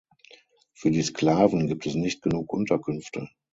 Für die Sklaven gibt es nicht genug Unterkünfte.